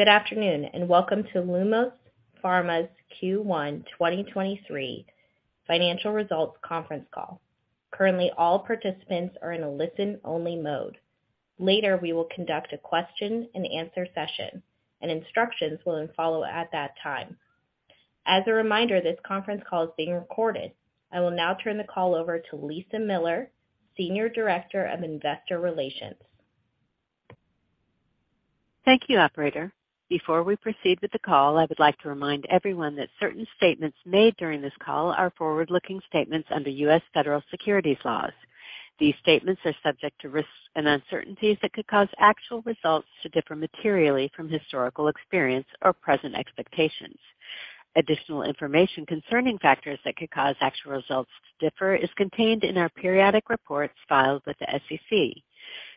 Good afternoon, Welcome to Lumos Pharma's Q1 2023 financial results conference call. Currently, all participants are in a listen-only mode. Later, we will conduct a question-and-answer session. Instructions will then follow at that time. As a reminder, this conference call is being recorded. I will now turn the call over to Lisa Miller, Senior Director of Investor Relations. Thank you, operator. Before we proceed with the call, I would like to remind everyone that certain statements made during this call are forward-looking statements under U.S. Federal Securities laws. These statements are subject to risks and uncertainties that could cause actual results to differ materially from historical experience or present expectations. Additional information concerning factors that could cause actual results to differ is contained in our periodic reports filed with the SEC.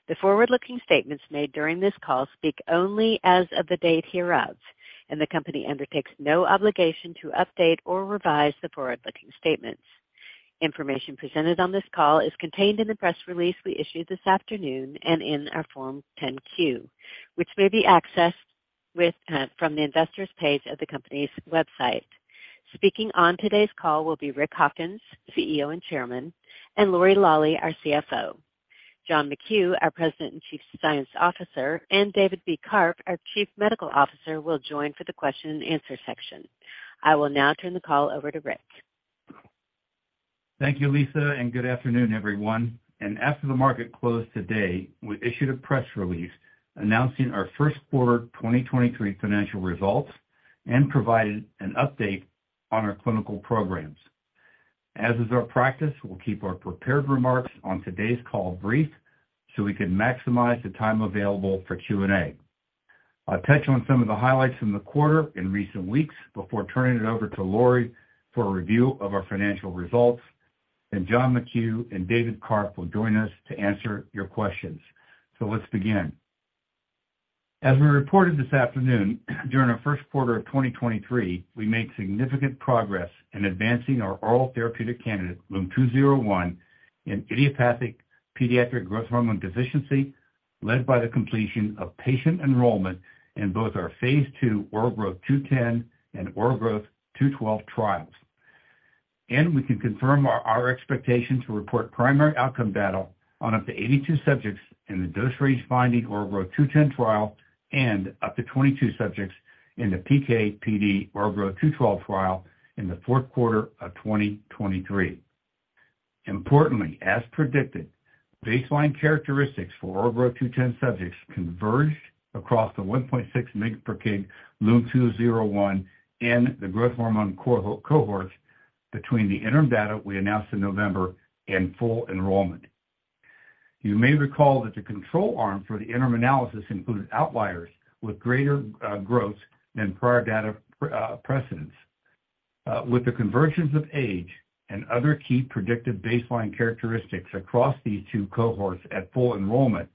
The forward-looking statements made during this call speak only as of the date hereof, and the company undertakes no obligation to update or revise the forward-looking statements. Information presented on this call is contained in the press release we issued this afternoon and in our Form 10-Q, which may be accessed from the investor's page of the company's website. Speaking on today's call will be Rick Hawkins, CEO and Chairman, and Lori Lawley, our CFO. John McKew, our President and Chief Scientific Officer, and David B. Karpf, our Chief Medical Officer, will join for the question and answer section. I will now turn the call over to Rick. Thank you, Lisa. Good afternoon, everyone. After the market closed today, we issued a press release announcing our first quarter 2023 financial results and provided an update on our clinical programs. As is our practice, we'll keep our prepared remarks on today's call brief so we can maximize the time available for Q&A. I'll touch on some of the highlights from the quarter in recent weeks before turning it over to Lori Lawley for a review of our financial results, and John McKew and David Karpf will join us to answer your questions. Let's begin. As we reported this afternoon, during our first quarter of 2023, we made significant progress in advancing our oral therapeutic candidate, LUM-201, in idiopathic pediatric growth hormone deficiency, led by the completion of patient enrollment in both our phase II OraGrowtH210 and OraGrowtH212 trials. We can confirm our expectation to report primary outcome data on up to 82 subjects in the dose range finding OraGrowtH210 trial and up to 22 subjects in the PK/PD OraGrowtH212 trial in the fourth quarter of 2023. Importantly, as predicted, baseline characteristics for OraGrowtH210 subjects converged across the 1.6 mg/kg LUM-201 in the growth hormone cohort, cohorts between the interim data we announced in November and full enrollment. You may recall that the control arm for the interim analysis included outliers with greater growth than prior data precedents. With the conversions of age and other key predictive baseline characteristics across these two cohorts at full enrollment,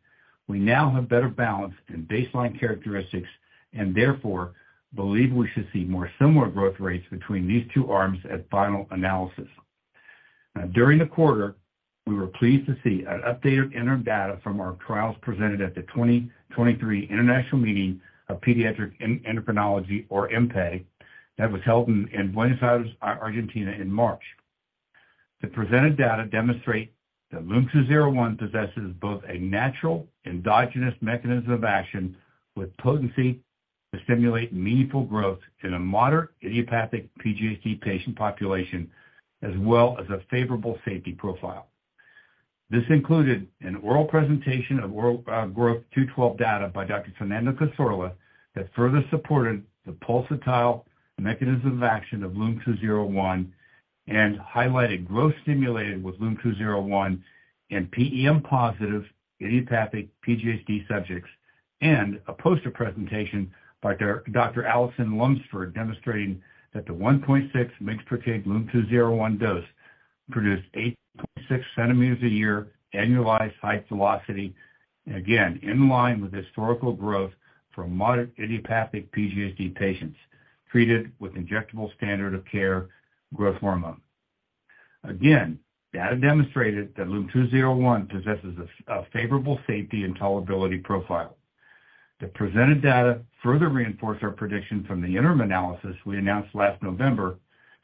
we now have better balance in baseline characteristics and therefore believe we should see more similar growth rates between these two arms at final analysis. During the quarter, we were pleased to see an updated interim data from our trials presented at the 2023 International Meeting of Pediatric Endocrinology, or MPE, that was held in Buenos Aires, Argentina in March. The presented data demonstrate that LUM-201 possesses both a natural endogenous mechanism of action with potency to stimulate meaningful growth in a moderate idiopathic PGHD patient population, as well as a favorable safety profile. This included an oral presentation of OraGrowtH212 data by Dr. Fernando Cassorla that further supported the pulsatile mechanism of action of LUM-201 and highlighted growth stimulated with LUM-201 in PEM-positive idiopathic PGHD subjects and a poster presentation by Dr. Alison Lunsford demonstrating that the 1.6 mg/kg LUM-201 dose produced 8.6 cm a year annualized height velocity, again, in line with historical growth for moderate idiopathic PGHD patients treated with injectable standard of care growth hormone. Data demonstrated that LUM-201 possesses a favorable safety and tolerability profile. The presented data further reinforce our prediction from the interim analysis we announced last November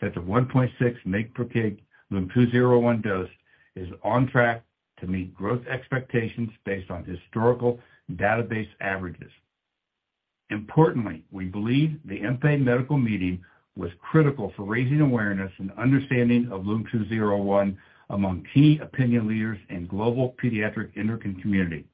that the 1.6 mg/kg LUM-201 dose is on track to meet growth expectations based on historical database averages. Importantly, we believe the IMPE medical meeting was critical for raising awareness and understanding of LUM-201 among key opinion leaders in global pediatric endocrin community.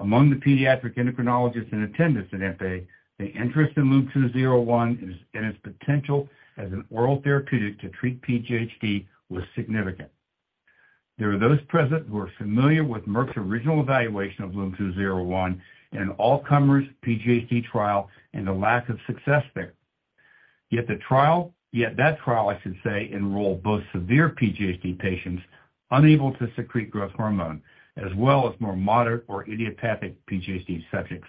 Among the pediatric endocrinologists in attendance at IMPE, the interest in LUM-201 and its potential as an oral therapeutic to treat PGHD was significant. There are those present who are familiar with Merck's original evaluation of LUM-201 in an all-comers PGHD trial and the lack of success there. Yet that trial, I should say, enrolled both severe PGHD patients unable to secrete growth hormone, as well as more moderate or idiopathic PGHD subjects.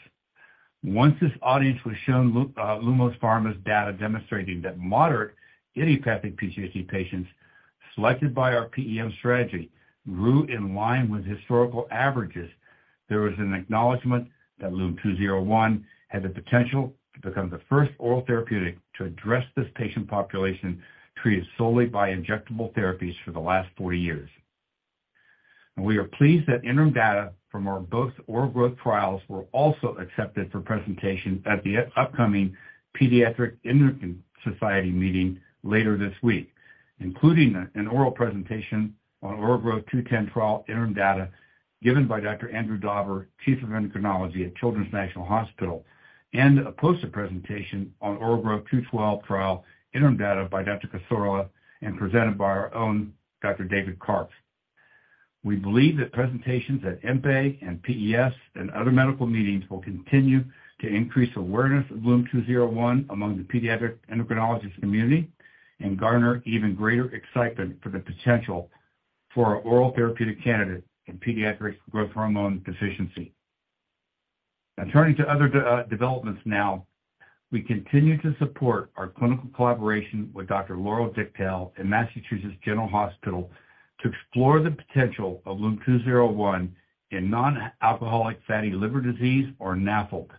Once this audience was shown Lumos Pharma's data demonstrating that moderate idiopathic PGHD patients selected by our PEM strategy grew in line with historical averages. There was an acknowledgment that LUM-201 had the potential to become the first oral therapeutic to address this patient population treated solely by injectable therapies for the last four years. We are pleased that interim data from our both OraGrowtH trials were also accepted for presentation at the upcoming Pediatric Endocrinology Society meeting later this week, including an oral presentation on OraGrowtH210 trial interim data given by Dr. Andrew Dauber, Chief of Endocrinology at Children's National Hospital, and a poster presentation on OraGrowtH212 trial interim data by Dr. Fernando Cassorla and presented by our own Dr. David Karpf. We believe that presentations at IMPE and PES and other medical meetings will continue to increase awareness of LUM-201 among the Pediatric Endocrinologist community and garner even greater excitement for the potential for an oral therapeutic candidate in pediatric growth hormone deficiency. Turning to other developments now. We continue to support our clinical collaboration with Dr. Laura Dichtel in Massachusetts General Hospital to explore the potential of LUM-201 in nonalcoholic fatty liver disease, or NAFLD.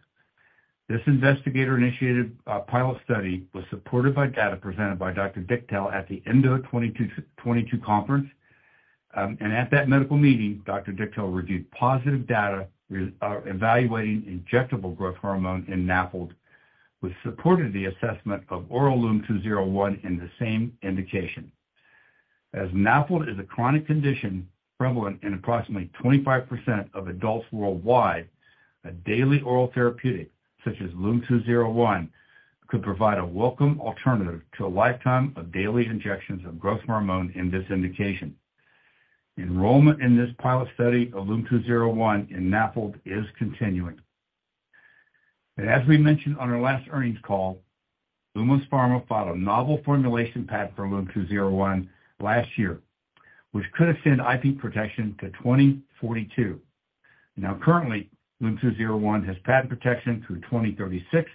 This investigator-initiated pilot study was supported by data presented by Dr. Dichtel at the ENDO 2022 Conference. At that medical meeting, Dr. Dichtel reviewed positive data evaluating injectable growth hormone in NAFLD, which supported the assessment of oral LUM-201 in the same indication. As NAFLD is a chronic condition prevalent in approximately 25% of adults worldwide, a daily oral therapeutic, such as LUM-201, could provide a welcome alternative to a lifetime of daily injections of growth hormone in this indication. Enrollment in this pilot study of LUM-201 in NAFLD is continuing. As we mentioned on our last earnings call, Lumos Pharma filed a novel formulation patent for LUM-201 last year, which could extend IP protection to 2042. Currently, LUM-201 has patent protection through 2036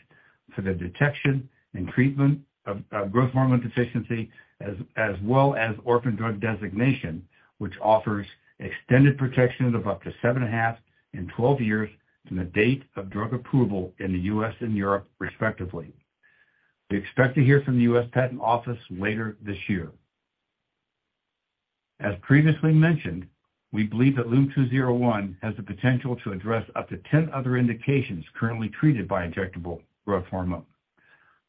for the detection and treatment of growth hormone deficiency, as well as orphan drug designation, which offers extended protection of up to 7.5 and 12 years from the date of drug approval in the U.S. and Europe, respectively. We expect to hear from the U.S. Patent Office later this year. As previously mentioned, we believe that LUM-201 has the potential to address up to 10 other indications currently treated by injectable growth hormone.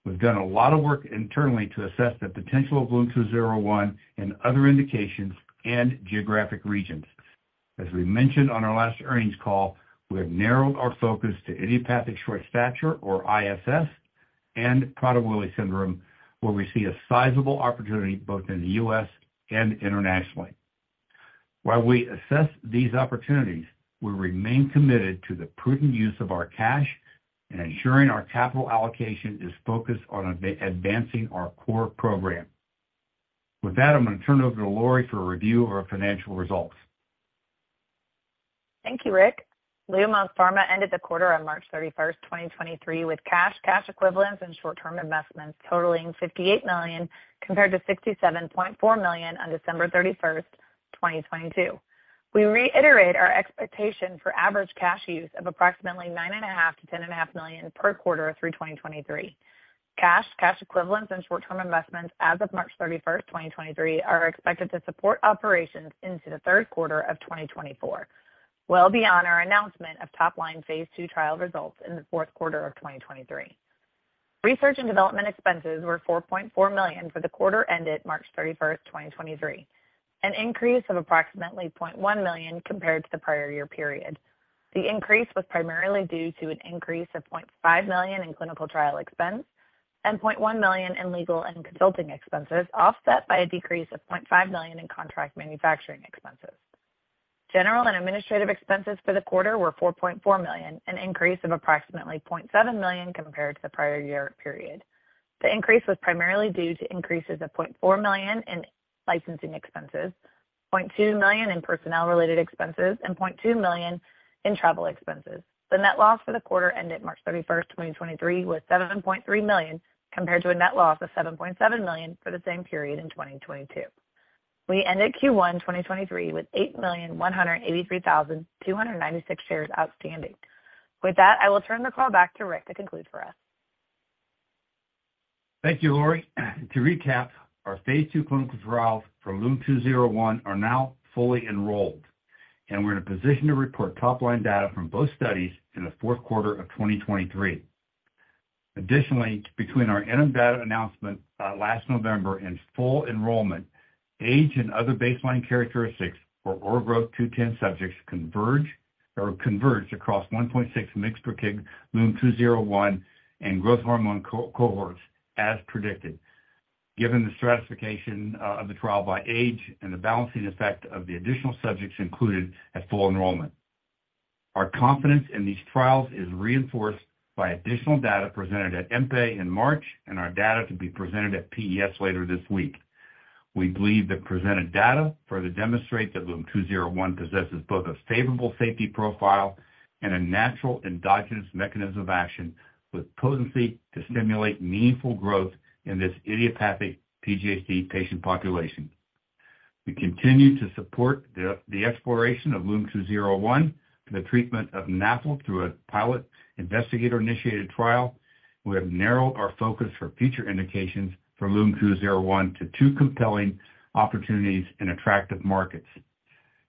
We've done a lot of work internally to assess the potential of LUM-201 in other indications and geographic regions. As we mentioned on our last earnings call, we have narrowed our focus to idiopathic short stature or ISS and Prader-Willi syndrome, where we see a sizable opportunity both in the U.S. and internationally. While we assess these opportunities, we remain committed to the prudent use of our cash and ensuring our capital allocation is focused on advancing our core program. With that, I'm gonna turn it over to Lori for a review of our financial results. Thank you, Rick. Lumos Pharma ended the quarter on March 31st, 2023, with cash equivalents and short-term investments totaling $58 million, compared to $67.4 million on December 31st, 2022. We reiterate our expectation for average cash use of approximately $9.5 million-$10.5 million per quarter through 2023. Cash, cash equivalents, and short-term investments as of March 31st, 2023, are expected to support operations into the third quarter of 2024, well beyond our announcement of top-line phase II trial results in the fourth quarter of 2023. Research and development expenses were $4.4 million for the quarter ended March 31st, 2023, an increase of approximately $0.1 million compared to the prior year period. The increase was primarily due to an increase of $0.5 million in clinical trial expense and $0.1 million in legal and consulting expenses, offset by a decrease of $0.5 million in contract manufacturing expenses. General and administrative expenses for the quarter were $4.4 million, an increase of approximately $0.7 million compared to the prior year period. The increase was primarily due to increases of $0.4 million in licensing expenses, $0.2 million in personnel-related expenses, and $0.2 million in travel expenses. The net loss for the quarter ended March 31st, 2023, was $7.3 million, compared to a net loss of $7.7 million for the same period in 2022. We ended Q1 2023 with 8,183,296 shares outstanding. With that, I will turn the call back to Rick to conclude for us. Thank you, Lori. To recap, our phase II clinical trials for LUM-201 are now fully enrolled. We're in a position to report top-line data from both studies in the fourth quarter of 2023. Additionally, between our interim data announcement last November and full enrollment, age and other baseline characteristics for OraGrowtH210 subjects converged across 1.6 mg/kg LUM-201 and growth hormone cohorts, as predicted, given the stratification of the trial by age and the balancing effect of the additional subjects included at full enrollment. Our confidence in these trials is reinforced by additional data presented at IMPE in March. Our data to be presented at PES later this week. We believe the presented data further demonstrate that LUM-201 possesses both a favorable safety profile and a natural endogenous mechanism of action with potency to stimulate meaningful growth in this idiopathic PGHD patient population. We continue to support the exploration of LUM-201 for the treatment of NAFLD through a pilot investigator-initiated trial. We have narrowed our focus for future indications for LUM-201 to two compelling opportunities in attractive markets.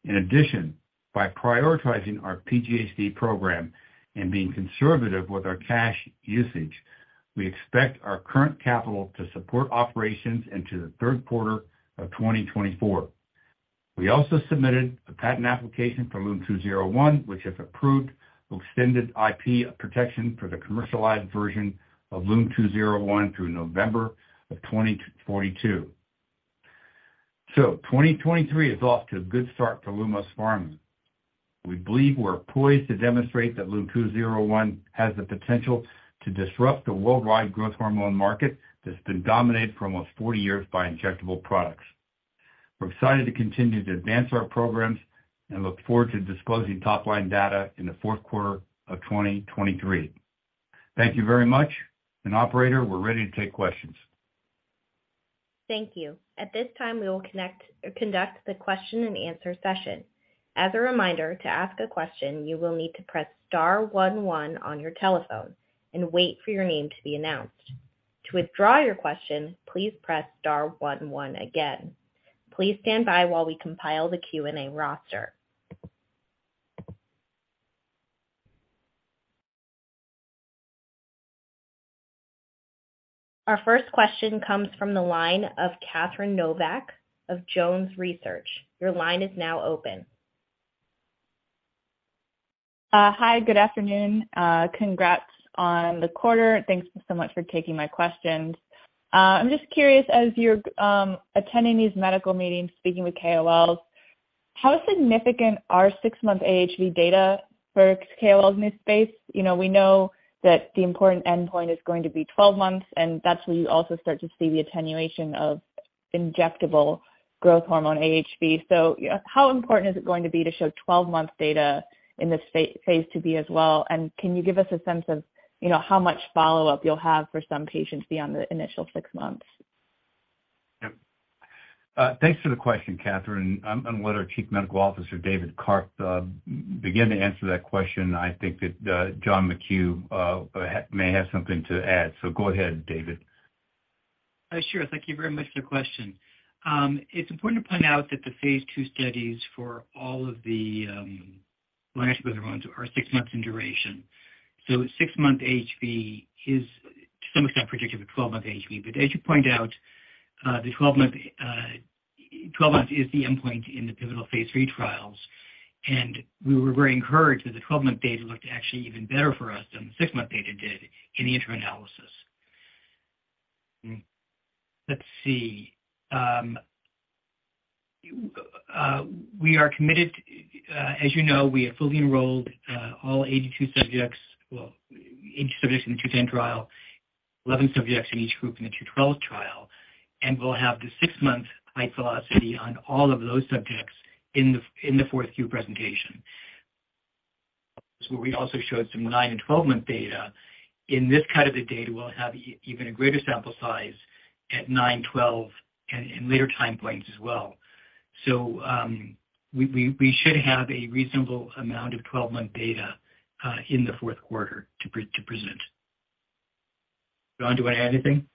In addition, by prioritizing our PGHD program and being conservative with our cash usage, we expect our current capital to support operations into the third quarter of 2024. We also submitted a patent application for LUM-201, which, if approved, will extend IP protection for the commercialized version of LUM-201 through November of 2042. 2023 is off to a good start for Lumos Pharma. We believe we're poised to demonstrate that LUM-201 has the potential to disrupt the worldwide growth hormone market that's been dominat ed for almost 40 years by injectable products. We're excited to continue to advance our programs and look forward to disclosing top-line data in the fourth quarter of 2023. Thank you very much. Operator, we're ready to take questions. Thank you. At this time, we will conduct the question-and-answer session. As a reminder, to ask a question, you will need to press star one one on your telephone and wait for your name to be announced. To withdraw your question, please press star one one again. Please stand by while we compile the Q&A roster. Our first question comes from the line of Catherine Novack of Jones Research. Your line is now open. Hi, good afternoon. Congrats on the quarter, thanks so much for taking my questions. I'm just curious, as you're attending these medical meetings, speaking with KOLs, how significant are six-month AHV data for KOLs in this space? You know, we know that the important endpoint is going to be 12 months, that's when you also start to see the attenuation of injectable growth hormone AHV. How important is it going to be to show 12-month data in this phase IIb as well? Can you give us a sense of, you know, how much follow-up you'll have for some patients beyond the initial six months? Yep. Thanks for the question, Catherine. I'm gonna let our Chief Medical Officer, David Karp, begin to answer that question. I think that John McKew may have something to add. Go ahead, David. Sure. Thank you very much for the question. It's important to point out that the phase II studies for all of the last ones are six months in duration. six-month AHV is to some extent predictive of 12-month AHV. As you point out, the 12-month, 12 months is the endpoint in the pivotal phase III trials. We were very encouraged that the 12-month data looked actually even better for us than the six-month data did in the interim analysis. Let's see. We are committed, as you know, we have fully enrolled all 82 subjects. Well, 8 subjects in the two-10 trial, 11 subjects in each group in the two-12 trial, and we'll have the six-month height velocity on all of those subjects in the, in the fourth Q presentation. We also showed some nine month and 12-month data. In this kind of the data, we'll have even a greater sample size at nine month, 12 month, and in later time points as well. We should have a reasonable amount of 12-month data, in the fourth quarter to present. John, do you wanna add anything?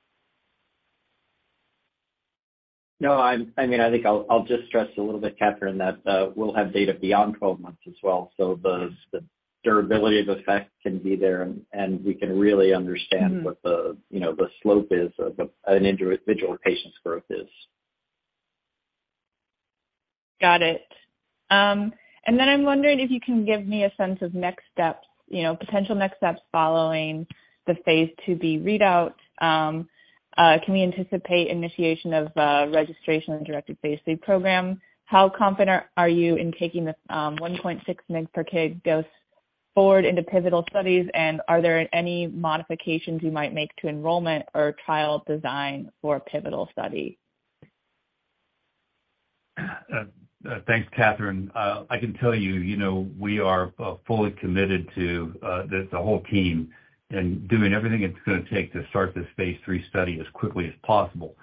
No, I mean, I think I'll just stress a little bit, Catherine, that we'll have data beyond 12 months as well, so the durability of effect can be there, and we can really. Mm-hmm. what the, you know, the slope is of an individual patient's growth is. Got it. Then I'm wondering if you can give me a sense of next steps, you know, potential next steps following the phase IIb readout. Can we anticipate initiation of registration and directed phase III program? How confident are you in taking this 1.6 mg/kg dose forward into pivotal studies? Are there any modifications you might make to enrollment or trial design for a pivotal study? Thanks, Catherine. I can tell you know, we are fully committed to the whole team in doing everything it's gonna take to start this phase III study as quickly as possible,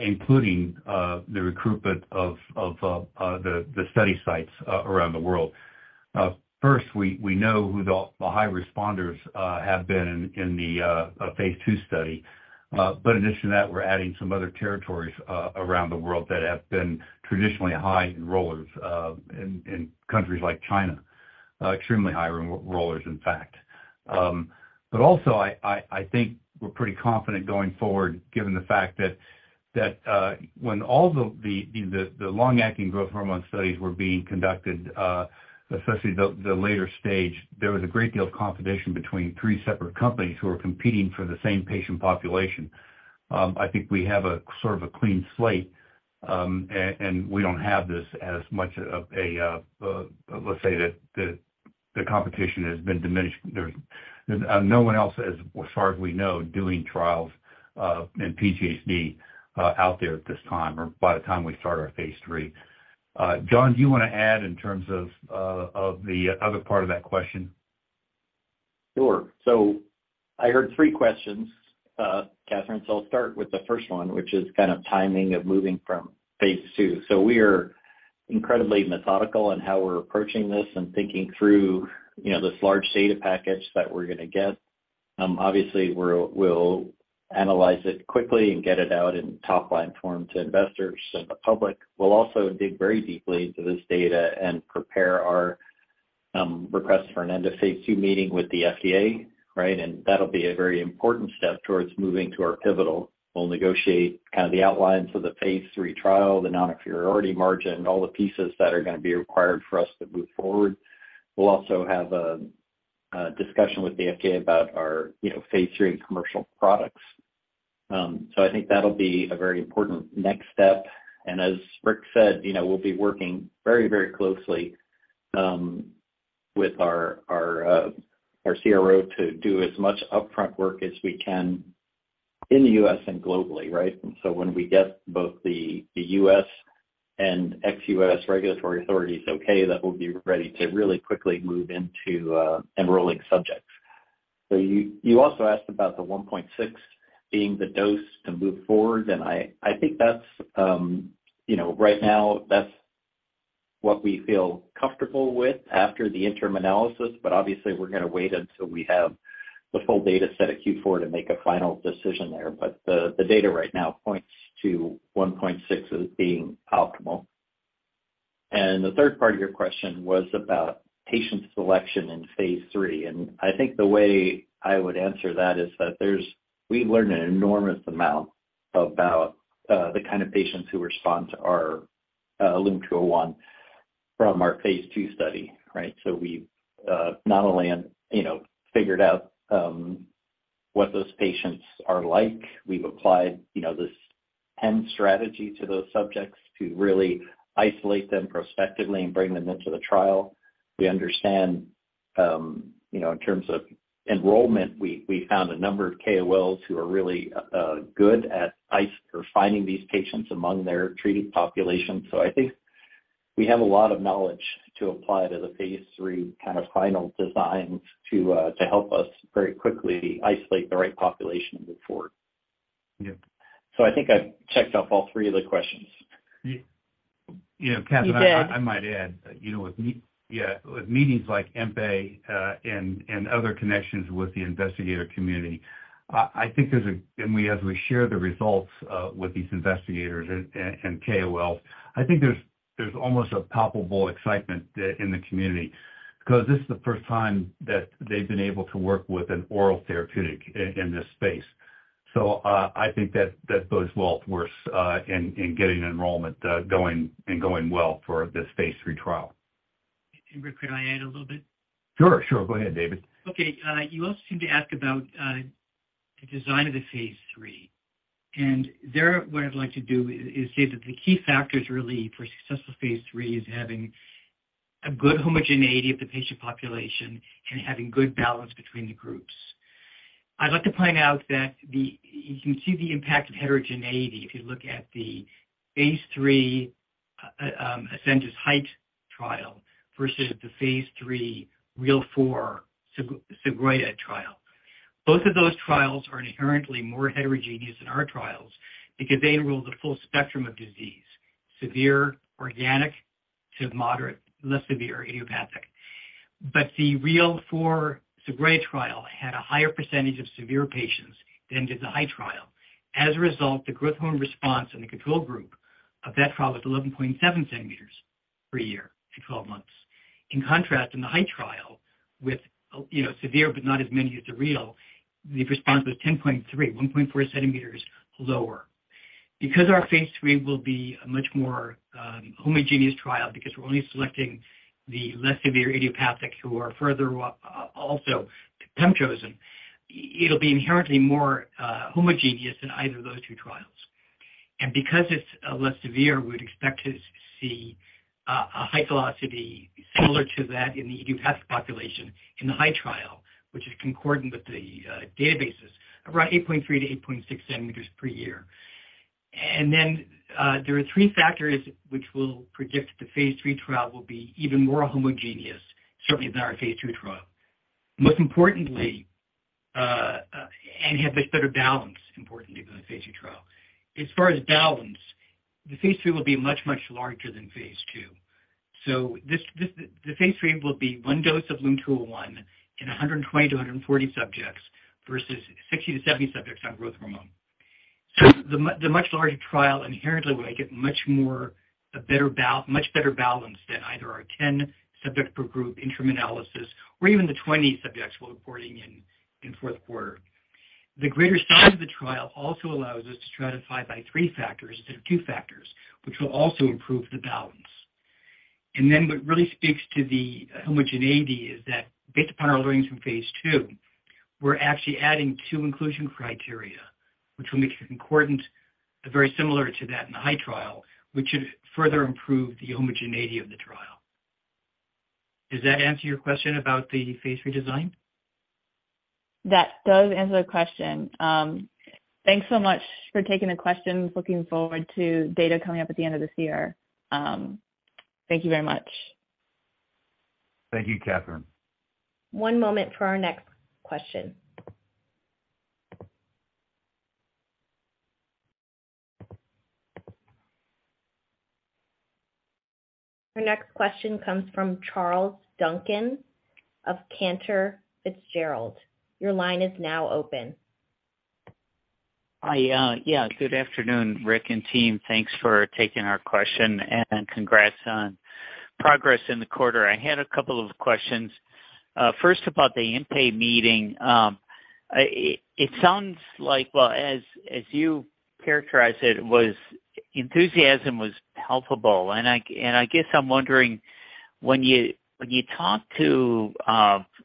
including the recruitment of the study sites around the world. First, we know who the high responders have been in the phase II study. In addition to that, we're adding some other territories around the world that have been traditionally high enrollers in countries like China. Extremely high enrollers, in fact. Also I think we're pretty confident going forward given the fact that when all the long-acting growth hormone studies were being conducted, especially the later stage, there was a great deal of competition between three separate companies who were competing for the same patient population. I think we have a sort of a clean slate, and we don't have this as much of a, let's say that the competition has been diminished. There's no one else as far as we know, doing trials in PGHD out there at this time or by the time we start our phase III. John, do you wanna add in terms of the other part of that question? Sure. I heard three questions, Catherine, I'll start with the first one, which is kind of timing of moving from phase II. We are incredibly methodical in how we're approaching this and thinking through, you know, this large data package that we're gonna get. Obviously, we'll analyze it quickly and get it out in top-line form to investors and the public. We'll also dig very deeply into this data and prepare our request for an end of phase II meeting with the FDA, right? That'll be a very important step towards moving to our pivotal. We'll negotiate kind of the outlines of the phase III trial, the non-inferiority margin, all the pieces that are gonna be required for us to move forward. We'll also have a discussion with the FDA about our, you know, phase III commercial products. I think that'll be a very important next step. As Rick said, you know, we'll be working very, very closely with our CRO to do as much upfront work as we can in the US and globally, right? When we get both the U.S. and ex-U.S. regulatory authorities okay, that we'll be ready to really quickly move into enrolling subjects. You also asked about the 1.6 being the dose to move forward, and I think that's, you know, right now, that's what we feel comfortable with after the interim analysis. Obviously, we're gonna wait until we have the full data set of Q4 to make a final decision there. The data right now points to 1.6 as being optimal. The third part of your question was about patient selection in phase III, and I think the way I would answer that is that we've learned an enormous amount about the kind of patients who respond to our LUM-201 from our phase II study, right? We've not only, you know, figured out what those patients are like, we've applied, you know, this ten strategy to those subjects to really isolate them prospectively and bring them into the trial. We understand, you know, in terms of enrollment, we found a number of KOLs who are really good at finding these patients among their treated population. I think we have a lot of knowledge to apply to the phase III kind of final designs to help us very quickly isolate the right population and move forward. Yeah. I think I've checked off all three of the questions. You, you know, Catherine. You did. I might add, you know, with meetings like MPA, and other connections with the investigator community, I think there's a... As we share the results with these investigators and KOLs, I think there's almost a palpable excitement in the community because this is the first time that they've been able to work with an oral therapeutic in this space. I think that that bodes well for us in getting enrollment going and going well for this phase III trial. Rick, could I add a little bit? Sure, sure. Go ahead, David. Okay. You also seemed to ask about the design of the phase III. There, what I'd like to say that the key factors really for a successful phase III is having a good homogeneity of the patient population and having good balance between the groups. I'd like to point out that you can see the impact of heterogeneity if you look at the phase III Ascendis heiGHt Trial versus the phase III [REAL4-Segrea] trial. Both of those trials are inherently more heterogeneous than our trials because they enroll the full spectrum of disease, severe organic to moderate, less severe idiopathic. The REAL4Segra trial had a higher percentage of severe patients than did the heiGHt Trial. As a result, the growth hormone response in the control group of that trial was 11.7 cm per year in 12 months. In contrast, in the heiGHt Trial with, you know, severe but not as many as the REAL, the response was 10.3 cm, 1.4 cm lower. Because our phase III will be a much more homogeneous trial because we're only selecting the less severe idiopathic who are further up, also PEM chosen, it'll be inherently more homogeneous than either of those two trials. Because it's less severe, we would expect to see a high velocity similar to that in the idiopathic population in the heiGHt Trial, which is concordant with the databases, around 8.3 cm-8.6 cm per year. There are three factors which will predict the phase III trial will be even more homogeneous, certainly than our phase II trial. Most importantly, have much better balance, importantly, than the phase II trial. As far as balance, the phase III will be much, much larger than phase II. The phase III will be one dose of LUM-201 in 120-140 subjects versus 60-70 subjects on growth hormone. The much larger trial inherently will get much more, much better balance than either our 10 subject per group interim analysis or even the 20 subjects we're reporting in fourth quarter. The greater size of the trial also allows us to stratify by three factors instead of two factors, which will also improve the balance. What really speaks to the homogeneity is that based upon our learnings from phase II, we're actually adding two inclusion criteria, which will make it concordant, very similar to that in the heiGHt Trial, which should further improve the homogeneity of the trial. Does that answer your question about the phase redesign? That does answer the question. Thanks so much for taking the questions. Looking forward to data coming up at the end of this year. Thank you very much. Thank you, Catherine. One moment for our next question. Our next question comes from Charles Duncan of Cantor Fitzgerald. Your line is now open. Yeah, good afternoon, Rick and team. Thanks for taking our question and congrats on progress in the quarter. I had a couple of questions. First about the IMPE meeting. Well, as you characterized it, was enthusiasm was palpable. I guess I'm wondering when you, when you talk to,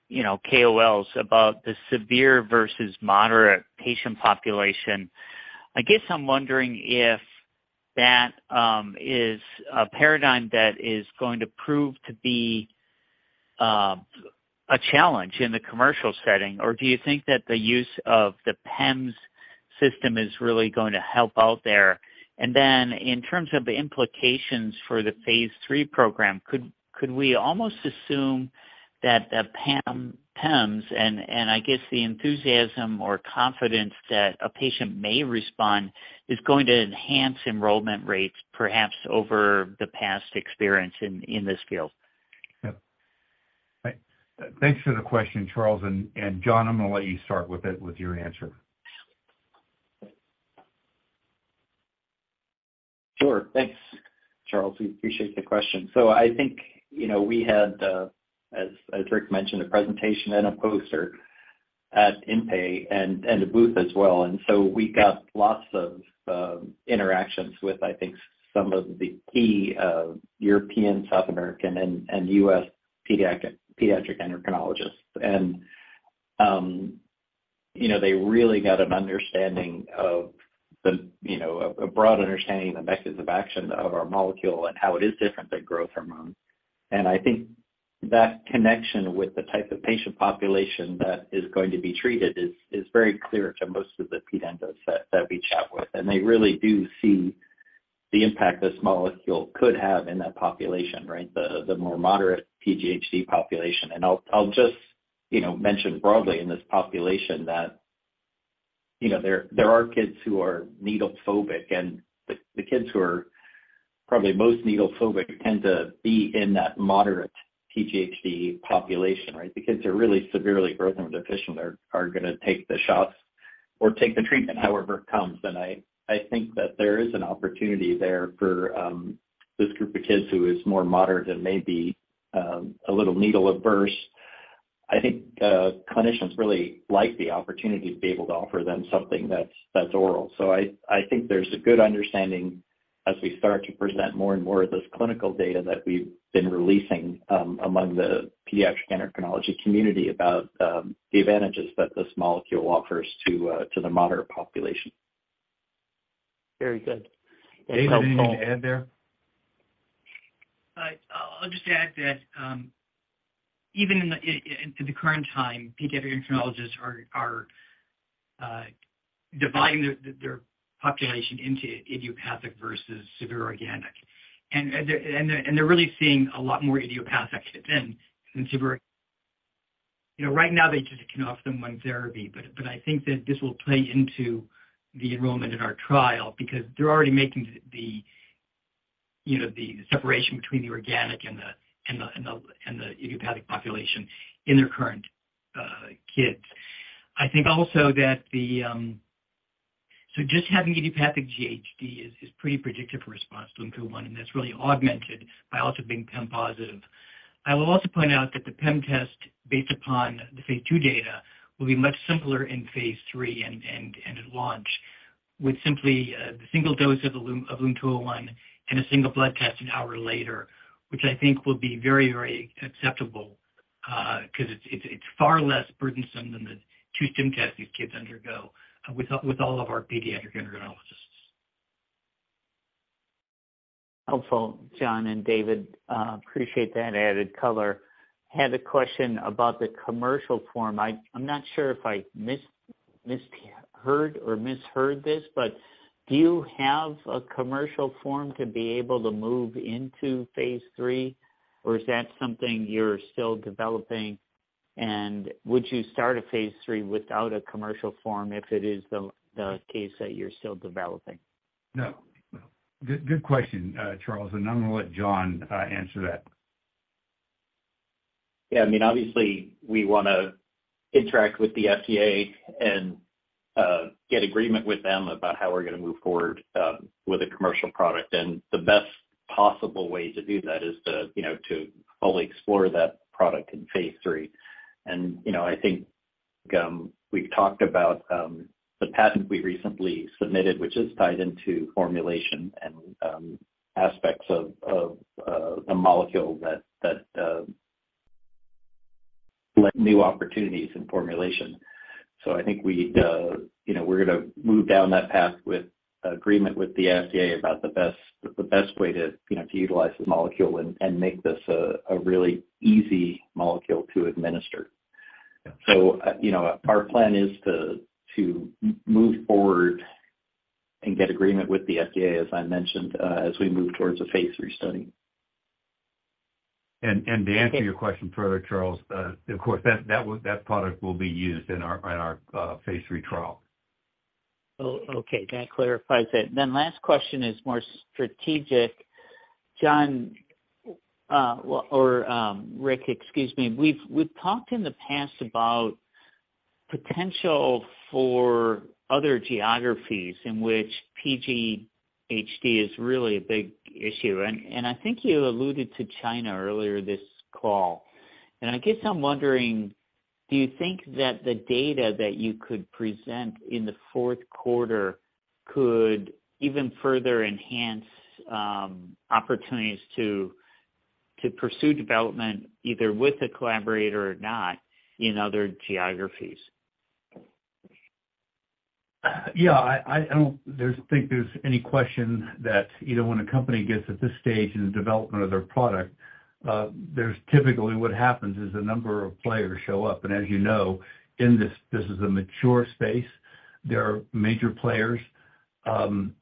you know, KOLs about the severe versus moderate patient population, I guess I'm wondering if that is a paradigm that is going to prove to be a challenge in the commercial setting, or do you think that the use of the PEM system is really going to help out there? In terms of the implications for the phase III program, could we almost assume that the PEM and I guess the enthusiasm or confidence that a patient may respond is going to enhance enrollment rates, perhaps over the past experience in this field? Yep. Thanks for the question, Charles. John, I'm gonna let you start with it, with your answer. Sure. Thanks, Charles. We appreciate the question. I think, you know, we had as Rick mentioned, a presentation and a poster at IMPE and a booth as well. We got lots of interactions with, I think, some of the key European, South American and U.S. pediatric endocrinologists. You know, they really got an understanding of the, you know, a broad understanding of the mechanism of action of our molecule and how it is different than growth hormone. I think that connection with the type of patient population that is going to be treated is very clear to most of the ped endos that we chat with. They really do see the impact this molecule could have in that population, right? The more moderate PGHD population. I'll just, you know, mention broadly in this population that, you know, there are kids who are needle phobic, the kids who are probably most needle phobic tend to be in that moderate PGHD population, right? The kids who are really severely growth hormone deficient are gonna take the shots or take the treatment however it comes. I think that there is an opportunity there for this group of kids who is more moderate and may be a little needle averse. I think clinicians really like the opportunity to be able to offer them something that's oral. I think there's a good understanding as we start to present more and more of this clinical data that we've been releasing, among the pediatric endocrinology community about the advantages that this molecule offers to the moderate population. Very good. That's helpful. David, anything to add there? I'll just add that, even in the current time, pediatric endocrinologists are dividing their population into idiopathic versus severe organic. They're really seeing a lot more idiopathic than severe. You know, right now they just can offer them one therapy. I think that this will play into the enrollment in our trial because they're already making the, you know, the separation between the organic and the idiopathic population in their current kids. I think also that the... just having idiopathic GHD is pretty predictive for response to LUM-201, and that's really augmented by also being PEM positive. I will also point out that the PEM test based upon the phase II data will be much simpler in phase III and at launch, with simply the single dose of LUM-201 and a single blood test an hour later, which I think will be very acceptable, 'cause it's far less burdensome than the two stim tests these kids undergo with all of our pediatric endocrinologists. Helpful, John and David, appreciate that added color. Had a question about the commercial form. I'm not sure if I misheard this, but do you have a commercial form to be able to move into phase III? Is that something you're still developing? Would you start a phase III without a commercial form if it is the case that you're still developing? No. Good question, Charles, I'm gonna let John answer that. Yeah. I mean, obviously we wanna interact with the FDA and get agreement with them about how we're gonna move forward with a commercial product. The best possible way to do that is to, you know, to fully explore that product in phase III. You know, I think we've talked about the patent we recently submitted, which is tied into formulation and aspects of the molecule that lend new opportunities in formulation. I think we, you know, we're gonna move down that path with agreement with the FDA about the best way to, you know, to utilize the molecule and make this a really easy molecule to administer. you know, our plan is to move forward and get agreement with the FDA, as I mentioned, as we move towards a phase III study. To answer your question further, Charles, of course, that product will be used in our phase III trial. Oh, okay. That clarifies it. Last question is more strategic. John, well, or Rick, excuse me. We've talked in the past about potential for other geographies in which PGHD is really a big issue. I think you alluded to China earlier this call. I guess I'm wondering, do you think that the data that you could present in the fourth quarter could even further enhance opportunities to pursue development either with a collaborator or not in other geographies? Yeah, I don't think there's any question that, you know, when a company gets at this stage in the development of their product, there's typically what happens is a number of players show up. As you know, in this is a mature space. There are major players, and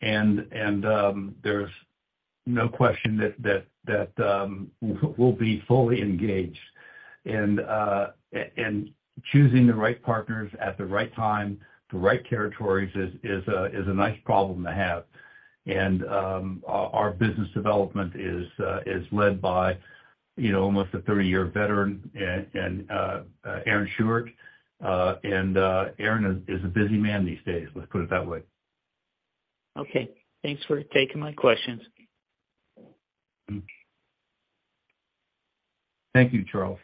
there's no question that we'll be fully engaged. Choosing the right partners at the right time, the right territories is a nice problem to have. Our business development is led by, you know, almost a 30-year veteran Aaron Schuchart. Aaron is a busy man these days, let's put it that way. Okay. Thanks for taking my questions. Thank you, Charles.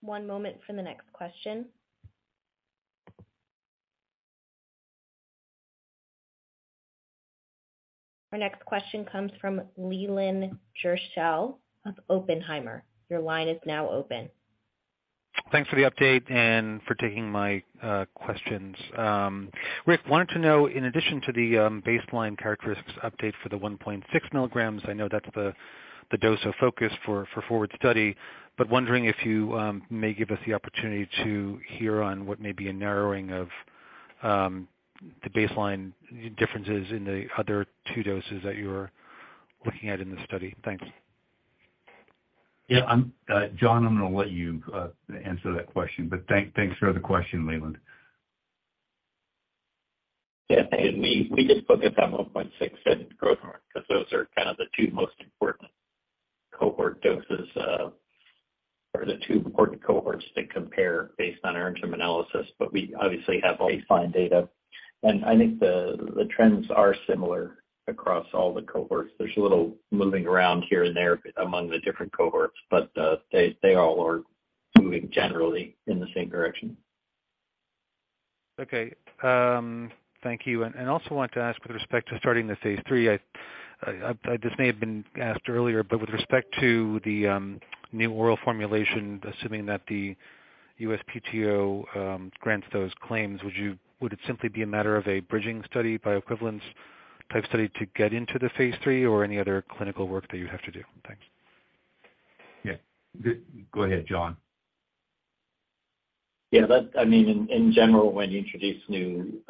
One moment for the next question. Our next question comes from Leland Gershell of Oppenheimer. Your line is now open. Thanks for the update and for taking my questions. Rick, wanted to know, in addition to the baseline characteristics update for the 1.6 milligrams, I know that's the dose of focus for forward study. Wondering if you may give us the opportunity to hear on what may be a narrowing of the baseline differences in the other two doses that you are looking at in the study. Thanks. Yeah, I'm, John, I'm gonna let you answer that question, but thanks for the question, Leland. Yeah. We, we just focused on 1.6 and growth hormone because those are kind of the two most important cohort doses, or the two important cohorts to compare based on our interim analysis. We obviously have baseline data. I think the trends are similar across all the cohorts. There's a little moving around here and there among the different cohorts, but, they all are moving generally in the same direction. Okay. Thank you. Also want to ask with respect to starting the phase III. This may have been asked earlier, but with respect to the new oral formulation, assuming that the USPTO grants those claims, would it simply be a matter of a bridging study, bioequivalence type study to get into the phase III, or any other clinical work that you have to do? Thanks. Yeah. Go ahead, John. Yeah, that's I mean, in general, when you introduce new,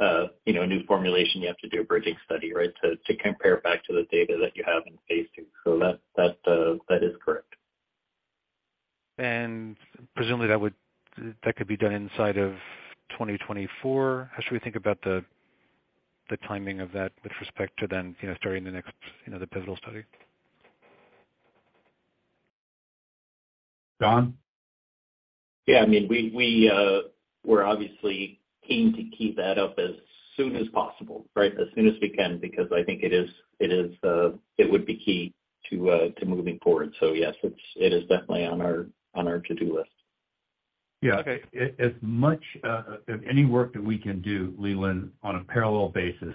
you know, a new formulation, you have to do a bridging study, right, to compare back to the data that you have in phase II. That is correct. Presumably that could be done inside of 2024. How should we think about the timing of that with respect to then, you know, starting the next, you know, the pivotal study? John? Yeah, I mean, we're obviously keen to keep that up as soon as possible, right? As soon as we can, because I think it is, it would be key to moving forward. Yes, it's, it is definitely on our to-do list. Yeah. As much, any work that we can do, Leland, on a parallel basis,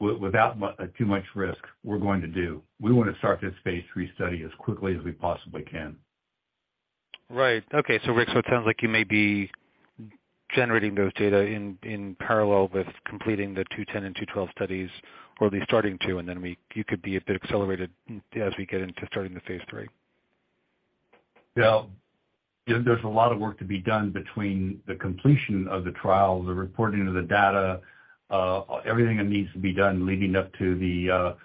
without too much risk, we're going to do. We wanna start this phase III study as quickly as we possibly can. Right. Okay. Rick, it sounds like you may be generating those data in parallel with completing the 210 and 212 studies, or at least starting to, and then you could be a bit accelerated as we get into starting the phase III. Yeah. There's a lot of work to be done between the completion of the trial, the reporting of the data, everything that needs to be done leading up to the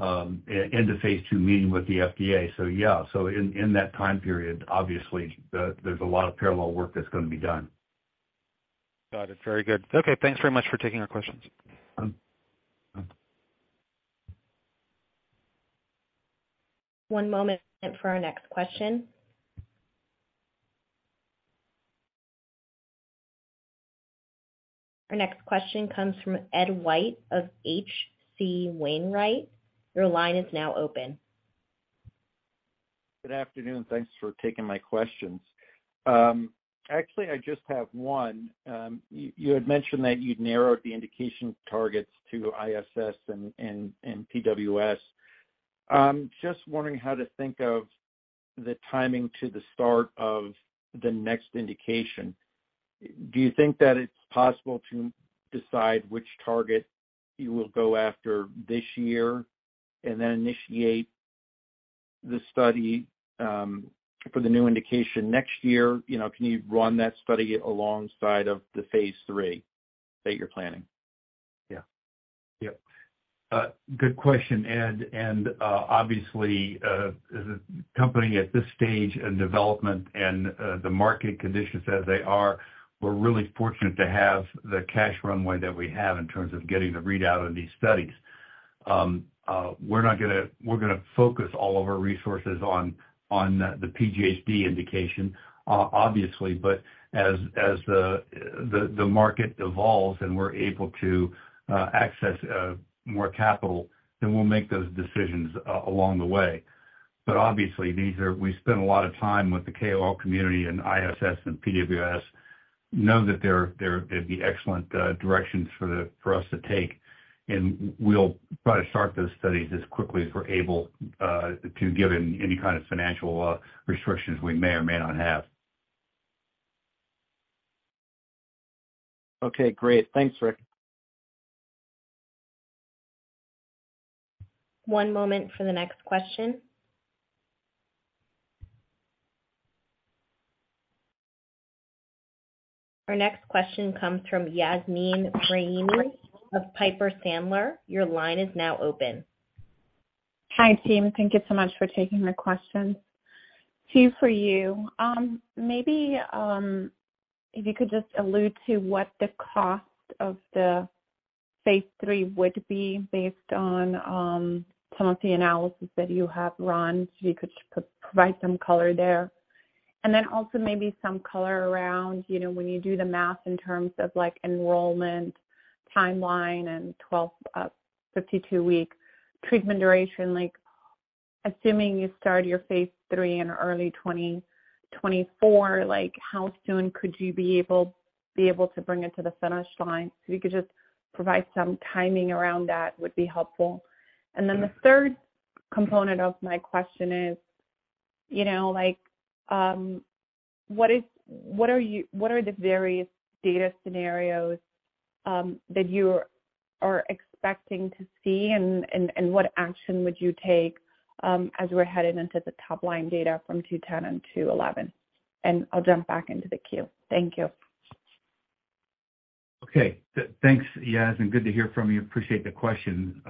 end of phase II meeting with the FDA. Yeah, so in that time period, obviously, there's a lot of parallel work that's gonna be done. Got it. Very good. Okay, thanks very much for taking our questions. Um. One moment for our next question. Our next question comes from Ed White of H.C. Wainwright. Your line is now open. Good afternoon. Thanks for taking my questions. Actually, I just have one. You had mentioned that you'd narrowed the indication targets to ISS and PWS. I'm just wondering how to think of, the timing to the start of the next indication. Do you think that it's possible to decide which target you will go after this year and then initiate the study for the new indication next year? You know, can you run that study alongside of the phase III that you're planning? Yeah. Yep. Good question, Ed. Obviously, as a company at this stage in development and the market conditions as they are, we're really fortunate to have the cash runway that we have in terms of getting the readout of these studies. We're gonna focus all of our resources on the PGHD indication obviously. As the market evolves and we're able to access more capital, we'll make those decisions along the way. Obviously, we spend a lot of time with the KOL community and ISS and PWS, know that they're, they'd be excellent directions for us to take. We'll try to start those studies as quickly as we're able to given any kind of financial restrictions we may or may not have. Okay, great. Thanks, Rick. One moment for the next question. Our next question comes from Yasmeen Rahimi of Piper Sandler. Your line is now open. Hi, team. Thank you so much for taking my questions. Two for you. maybe, if you could just allude to what the cost of the phase III would be based on, some of the analysis that you have run, so you could provide some color there. Also maybe some color around, you know, when you do the math in terms of like enrollment timeline and 12 week, 52-week treatment duration, like assuming you start your phase III in early 2024, like how soon could you be able to bring it to the finish line? If you could just provide some timing around that would be helpful. Then the third component of my question is, you know, like, what are the various data scenarios that you are expecting to see and what action would you take as we're headed into the top line data from 210 and 211? I'll jump back into the queue. Thank you. Okay. Thanks, Yas. Good to hear from you. Appreciate the question.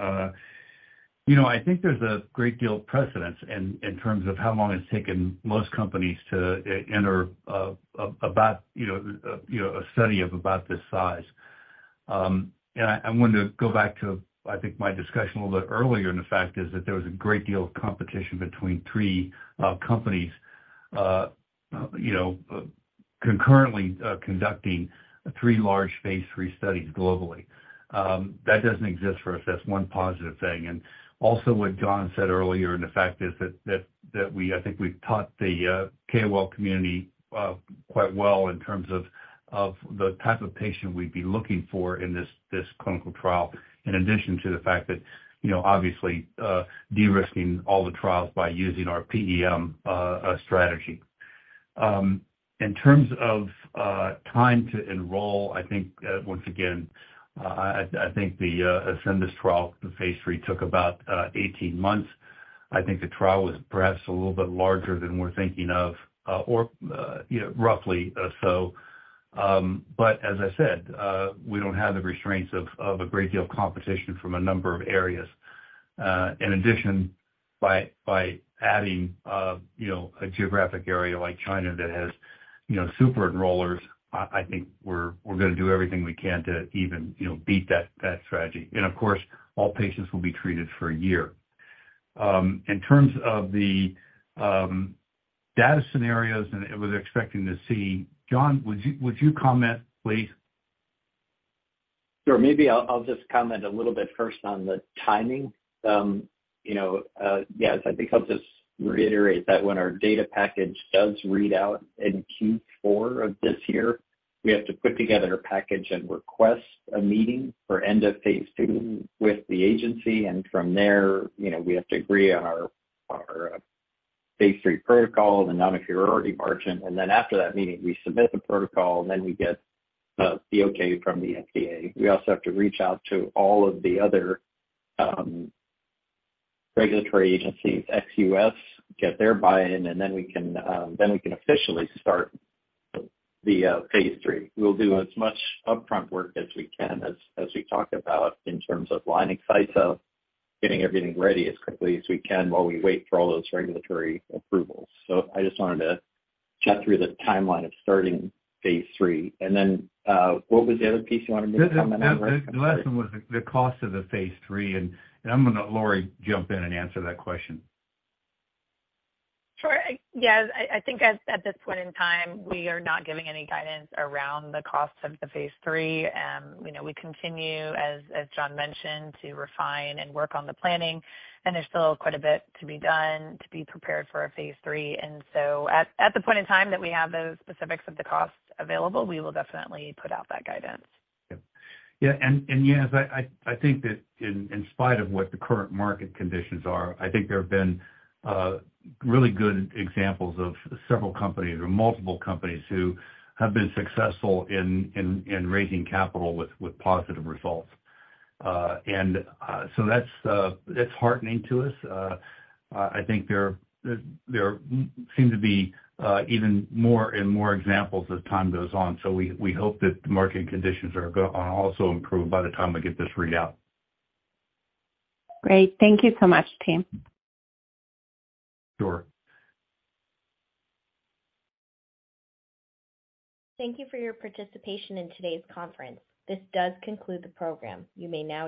you know, I think there's a great deal of precedence in terms of how long it's taken most companies to enter about, you know, you know, a study of about this size. I wanted to go back to, I think, my discussion a little bit earlier, and the fact is that there was a great deal of competition between three companies, you know, concurrently conducting three large phase III studies globally. That doesn't exist for us. That's one positive thing. Also what John said earlier, and the fact is that we, I think we've taught the KOL community quite well in terms of the type of patient we'd be looking for in this clinical trial, in addition to the fact that, you know, obviously, de-risking all the trials by using our PEM strategy. In terms of time to enroll, I think once again, I think the Ascendis trial, the phase III, took about 18 months. I think the trial was perhaps a little bit larger than we're thinking of, or, you know, roughly, so. As I said, we don't have the restraints of a great deal of competition from a number of areas. In addition, by adding, you know, a geographic area like China that has, you know, super enrollers, I think we're gonna do everything we can to even, you know, beat that strategy. Of course, all patients will be treated for a year. In terms of the data scenarios and what they're expecting to see, John, would you comment, please? Sure. Maybe I'll just comment a little bit first on the timing. You know, Yas, I think I'll just reiterate that when our data package does read out in Q4 of this year, we have to put together a package and request a meeting for end of phase II with the agency. From there, you know, we have to agree on our phase III protocol, the non-inferiority margin. After that meeting, we submit the protocol, then we get the okay from the FDA. We also have to reach out to all of the other regulatory agencies, ex-U.S., get their buy-in, then we can officially start the phase III. We'll do as much upfront work as we can as we talk about in terms of lining sites up, getting everything ready as quickly as we can while we wait for all those regulatory approvals. I just wanted to chat through the timeline of starting phase III. What was the other piece you wanted me to comment on, Rick? I'm sorry. The last one was the cost of the phase III, and I'm gonna let Lori jump in and answer that question. Sure. Yeah, I think at this point in time, we are not giving any guidance around the cost of the phase III. you know, we continue, as John mentioned, to refine and work on the planning, and there's still quite a bit to be done to be prepared for a phase III. At the point in time that we have those specifics of the costs available, we will definitely put out that guidance. Yeah. Yeah. Yas, I think that in spite of what the current market conditions are, I think there have been really good examples of several companies or multiple companies who have been successful in raising capital with positive results. That's heartening to us. I think there seem to be even more and more examples as time goes on. We hope that the market conditions also improve by the time we get this readout. Great. Thank you so much, team. Sure. Thank you for your participation in today's conference. This does conclude the program. You may now disconnect.